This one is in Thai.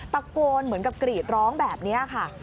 ตะโกนเหมือนกับกรีดร้องแบบนี้ค่ะ